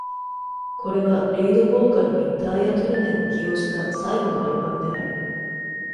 これは、リード・ヴォーカルにターヤ・トゥルネンを起用した最後のアルバムである。